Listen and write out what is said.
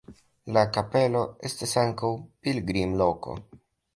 La kapelo estas ankaŭ pilgrimloko.